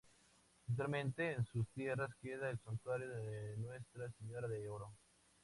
Actualmente en sus tierras queda el Santuario de Nuestra Señora de Oro.